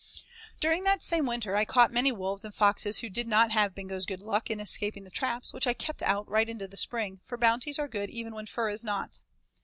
VIII During that same winter I caught many wolves and foxes who did not have Bingo's good luck in escaping the traps, which I kept out right into the spring, for bounties are good even when fur is not.